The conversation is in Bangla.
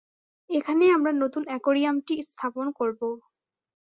এখানেই আমরা নতুন অ্যাকোয়ারিয়ামটি স্থাপন করব।